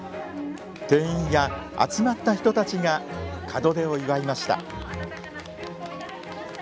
店員や集まった人たちが門出を祝いました。